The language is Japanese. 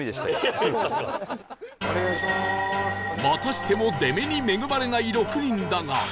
またしても出目に恵まれない６人だが